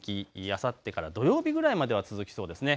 あさってから土曜日ぐらいまでは続きそうですね。